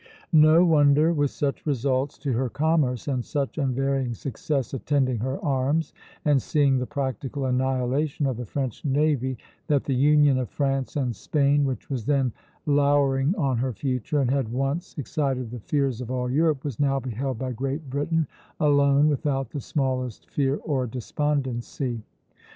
No wonder, with such results to her commerce and such unvarying success attending her arms, and seeing the practical annihilation of the French navy, that the union of France and Spain, which was then lowering on her future and had once excited the fears of all Europe, was now beheld by Great Britain alone without the smallest fear or despondency.